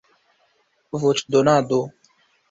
voĉdonado